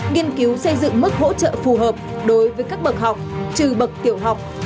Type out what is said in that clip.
nghiên cứu xây dựng mức hỗ trợ phù hợp đối với các bậc học trừ bậc tiểu học